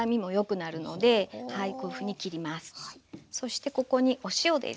そしてここにお塩です。